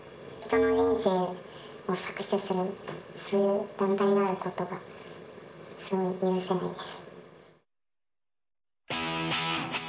人の人生を搾取する、そういう団体があることがすごい許せないです。